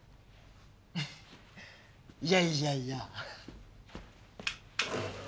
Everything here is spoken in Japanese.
フッいやいやいや。